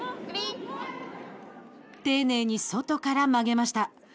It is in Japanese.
丁寧に外から曲げました。